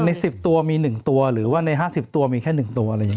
ใน๑๐ตัวมีหนึ่งตัวหรือว่าใน๕๐ปีมีแค่หนึ่งตัวเลย